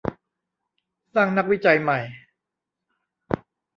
สร้างนักวิจัยใหม่